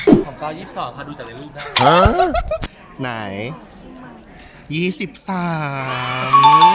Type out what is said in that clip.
ของก้าว๒๒ค่ะดูจากในรูปด้าน